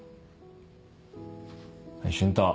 はい瞬太。